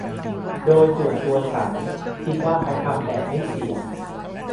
โดยส่วนตัวฉันคิดว่าเขาทำแบบไม่เสี่ยง